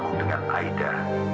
bertemu dengan aida